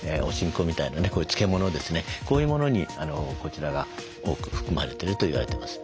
こういうものにこちらが多く含まれてると言われてます。